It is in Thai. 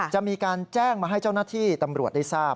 จะมีการแจ้งมาให้เจ้าหน้าที่ตำรวจได้ทราบ